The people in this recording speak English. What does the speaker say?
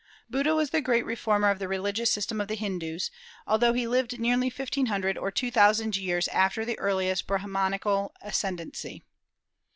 Buddha was the great reformer of the religious system of the Hindus, although he lived nearly fifteen hundred or two thousand years after the earliest Brahmanical ascendency.